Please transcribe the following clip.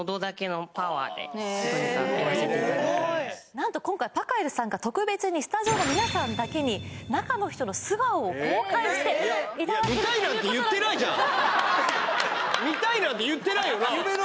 なんと今回パカエルさんが特別にスタジオの皆さんだけに中の人の素顔を公開していただけるということいや見たいなんて言ってないよな？